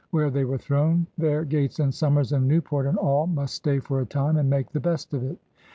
Where they were thrown, there Gates and Somers and New port and all must stay for a time and make the best of it.